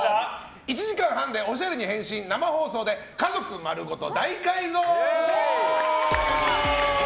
１時間半でおしゃれに変身生放送で家族まるごと大改造！